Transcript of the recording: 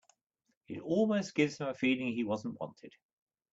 It almost gives him a feeling he wasn't wanted.